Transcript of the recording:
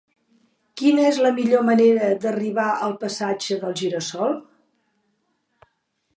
Quina és la millor manera d'arribar al passatge del Gira-sol?